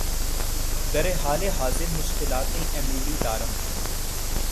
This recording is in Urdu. در حال حاضر مشکلات ایمیلی دارم